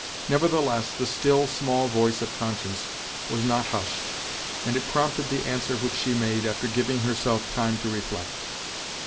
Nevertheless, the still, small voice of conscience was not hushed, and it prompted the answer which she made, after giving herself time to reflect.